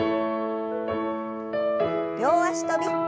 両脚跳び。